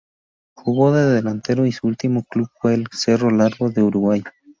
Jugó de Delantero y su último club fue el Cerro Largo de Uruguay.